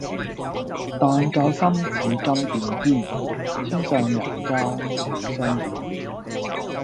但教心似金鈿堅，天上人間會相見。